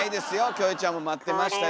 キョエちゃんも待ってましたよ